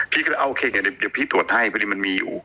พี่ก็เลยโอเคไงเดี๋ยวพี่ตรวจให้พอดีมันมีอยู่